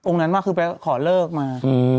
องค์นั้นมาคือไปขอเลิกมา